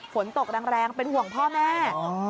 ฝนตกแรงเป็นห่วงพ่อแม่